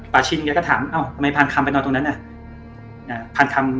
ชินแกก็ถามเอ้าทำไมพานคำไปนอนตรงนั้นน่ะ